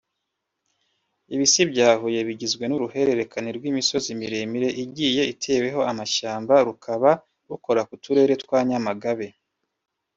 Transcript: Ibisi bya Huye bigizwe n’uruhererekane rw’imisozi miremire igiye iteweho amashyamba rukaba rukora ku Turere twa Nyamagabe